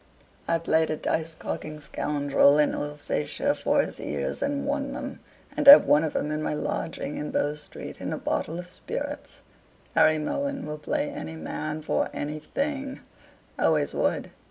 I played a dice cogging scoundrel in Alsatia for his ears and won 'em, and have one of 'em in my lodging in Bow Street in a bottle of spirits. Harry Mohun will play any man for anything always would."